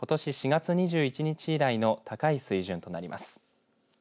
４月２１日以来の高い水準となります。